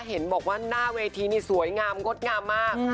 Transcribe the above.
เห็นบอกว่าหน้าเวทีนี่สวยงามงดงามมาก